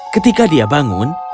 ketika dia bangun